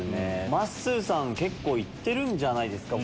まっすーさん結構行ってるんじゃないですか。